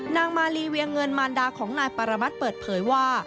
นางมาลีเวียงเงินมารดาของนายปรมัติเปิดเผยว่า